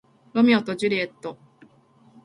ロミオとジュリエット